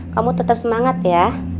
kamu tetap semangat ya